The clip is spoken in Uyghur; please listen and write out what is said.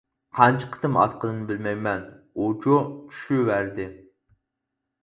قانچە قېتىم ئاتقىنىمنى بىلمەيمەن، ئۇ چۇ چۈشۈۋەردى.